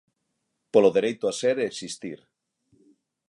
Polo dereito a Ser e Existir.